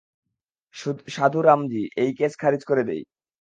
সাধু রামজি, এই কেস খারিজ করে দেই।